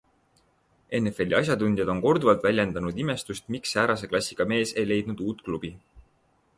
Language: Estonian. NFLi asjatundjad on korduvalt väljendanud imestust, miks säärase klassiga mees ei leidnud uut klubi.